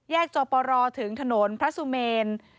แยกจบประวัติถึงถนนพระสุเมน